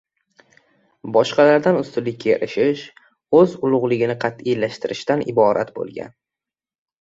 — boshqalardan ustunlikka erishish, o‘z ulug‘ligini qat’iylashtirishdan iborat bo‘lgan.